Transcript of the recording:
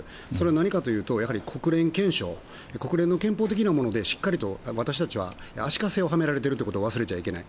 何かというとやはり国連憲章国連の憲法的なものでしっかりと私たちは足かせをはめられていることを忘れちゃいけない。